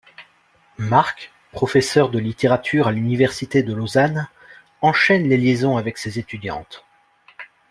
Marc, professeur de littérature à l'université de Lausanne, enchaîne les liaisons avec ses étudiantes.